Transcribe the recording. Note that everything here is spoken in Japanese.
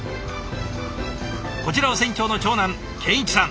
こちらは船長の長男健一さん。